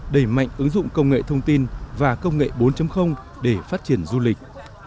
đẩy mạnh ứng dụng công nghệ thông tin và công nghệ bốn để phát triển du lịch